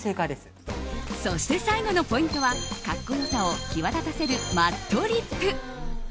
そして、最後のポイントは格好良さを際立たせるマットリップ。